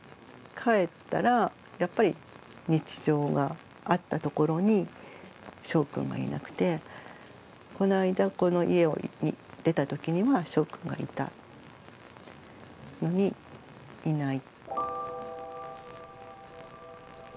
帰ったらやっぱり日常があったところにしょうくんがいなくてこの間この家を出たときにはしょうくんがいたのにいない。